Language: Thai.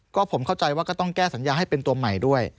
ก็ผมเข้าใจว่าก็ต้องแก้สัญญาให้เป็นตัวใหม่ด้วย